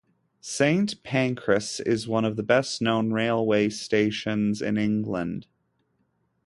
Saint Pancras is one of the best-known railway stations in England.